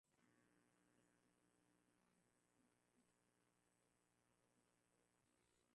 aa kukuletea kipindi hiki cha jukwaa la michezo karibu sana mwenzangu